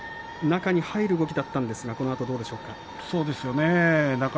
中に入る動きだったんですが、どうでしたか？